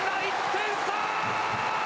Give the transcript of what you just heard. １点差！